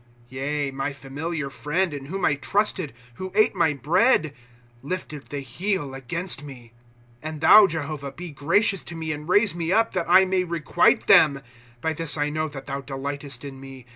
^ Yea, my familiar friend, in whom I trusted, Who ate my bread, lifted the heel against me. 1" And thou, Jehovah, be gracious to me and raise me up, That I may requite them. " By this I know' that thou delightest in me.